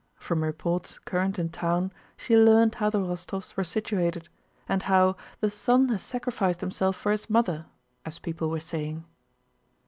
From reports current in town she learned how the Rostóvs were situated, and how "the son has sacrificed himself for his mother," as people were saying.